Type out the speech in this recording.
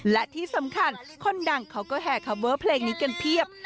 และที่สำคัญคนดังเขาก็แห่คอเวอร์เพลงนี้กันเพียบ